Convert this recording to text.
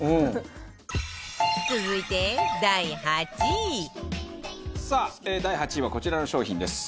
続いて第８位さあ第８位はこちらの商品です。